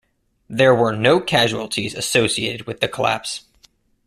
There were no casualties associated with the collapse.